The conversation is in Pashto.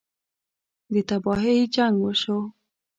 ده تباهۍ جـنګ وشو.